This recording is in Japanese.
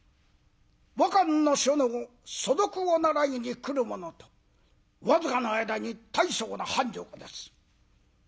和漢の書の素読を習いに来る者と僅かな間に大層な繁盛をいたす。